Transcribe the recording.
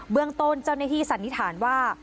เมืองต้นเจ้าหน้าที่สันนิษฐานว่า